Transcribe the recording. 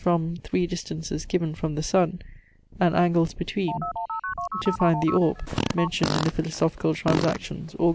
'from 3 distances given from the sun, and angles between, to find the orbe' (mentioned in the Philosophicall Transactions, Aug.